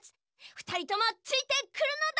ふたりともついてくるのだ！